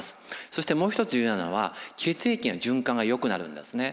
そしてもう一つ重要なのは血液の循環がよくなるんですね。